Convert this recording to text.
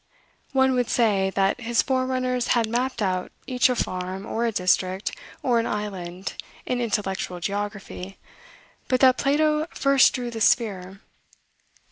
One would say, that his forerunners had mapped out each a farm, or a district, or an island, in intellectual geography, but that Plato first drew the sphere.